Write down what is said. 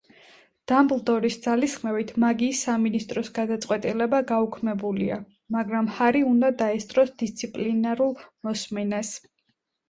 დამბლდორის ძალისხმევით, მაგიის სამინისტროს გადაწყვეტილება გაუქმებულია, მაგრამ ჰარი უნდა დაესწროს დისციპლინარულ მოსმენას.